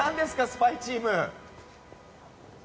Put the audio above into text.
スパイチーム。